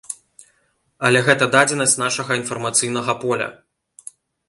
Але гэта дадзенасць нашага інфармацыйнага поля.